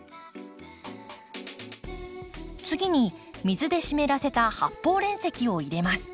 次に水で湿らせた発泡煉石を入れます。